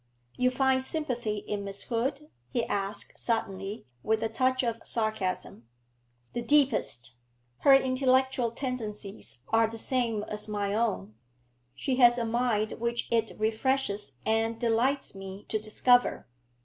'You find sympathy in Miss Hood?' he asked suddenly, with a touch of sarcasm. 'The deepest. Her intellectual tendencies are the same as my own; she has a mind which it refreshes and delights me to discover.